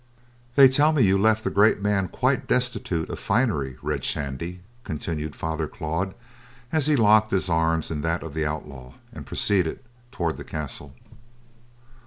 "They tell me you left the great man quite destitute of finery, Red Shandy," continued Father Claude, as he locked his arm in that of the outlaw and proceeded toward the castle.